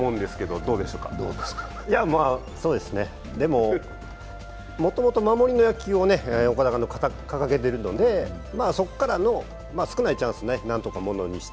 もうそうですね、でももともと守りの野球を岡田監督が掲げているのでそこからの少ないチャンスをなんとか、ものにして。